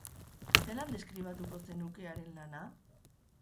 Zelan deskribatuko zenuke haren lana?